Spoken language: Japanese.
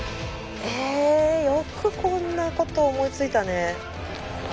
えよくこんなこと思いついたね。